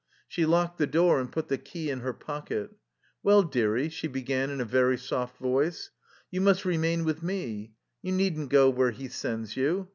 She locked the door and put the key in her pocket. " Well, dearie," she began in a very soft voice, " you must remain with me. You need n't go where he sends you.